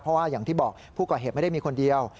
เพราะว่าอย่างที่บอกผู้ก่อเหตุไม่ได้มีคนเดียว